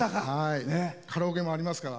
カラオケもありますから。